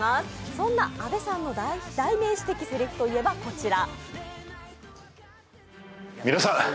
そんな阿部さんの代名詞的せりふといえば、こちら。